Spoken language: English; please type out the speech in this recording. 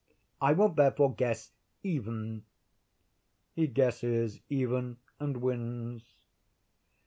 I will therefore guess even;'—he guesses even, and wins.